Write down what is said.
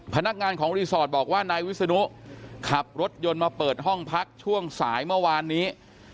พนักงานของรีสอร์ทบอกว่านายวิศนุขับรถยนต์มาเปิดห้องพักช่วงสายเมื่อวานนี้